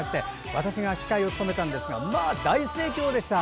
私が司会を務めたんですがまあ大盛況でした。